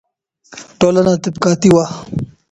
ټولنه طبقاتي وه.